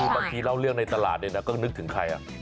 บางทีเล่าเรื่องในตลาดเนี่ยนะก็นึกถึงใคร